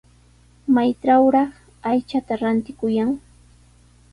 ¿Maytrawraq aychata rantikuyan?